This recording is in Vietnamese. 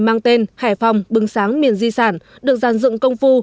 mang tên hải phòng bưng sáng miền di sản được giàn dựng công phu